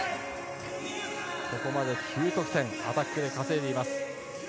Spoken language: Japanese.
ここまで９得点をアタックで稼いでいます。